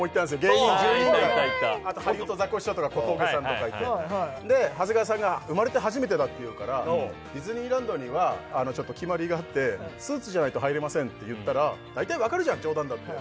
芸人１０人ぐらいあとハリウッドザコシショウとか小峠さんとかいてで長谷川さんが生まれて初めてだっていうからディズニーランドにはちょっと決まりがあってスーツじゃないと入れませんって言ったら大体わかるじゃん冗談だって